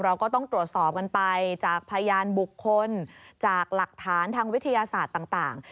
เราก็ต้องตรวจสอบกันไปจากพยานบุคคลจากหลักฐานทางวิทยาศาสตร์ต่าง